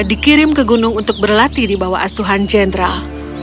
dikirim ke gunung untuk berlatih di bawah asuhan jenderal